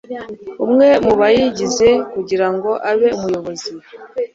umwe mu bayigize kugira ngo abe umuyobozi